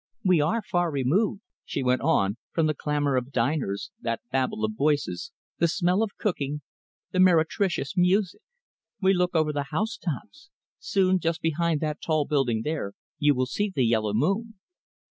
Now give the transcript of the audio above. "We are far removed," she went on, "from the clamour of diners, that babel of voices, the smell of cooking, the meretricious music. We look over the house tops. Soon, just behind that tall building there, you will see the yellow moon."